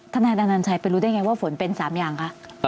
ถ้านายดานาลชัยไปรู้ได้ยังไงว่าฝนเป็น๓อย่างคะ